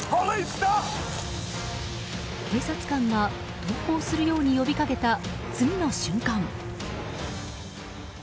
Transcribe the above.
警察官が投降するように呼びかけた次の瞬間。